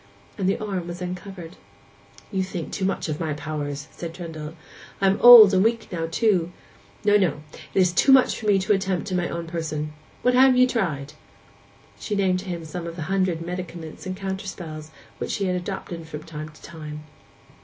And the arm was uncovered. 'You think too much of my powers!' said Trendle; 'and I am old and weak now, too. No, no; it is too much for me to attempt in my own person. What have ye tried?' She named to him some of the hundred medicaments and counterspells which she had adopted from time to time.